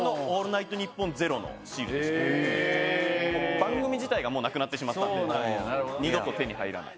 番組自体がもうなくなってしまったので二度と手に入らない。